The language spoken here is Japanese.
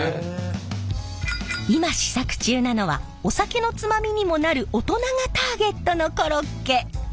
今試作中なのはお酒のつまみにもなる大人がターゲットのコロッケ。